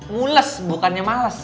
mules bukannya males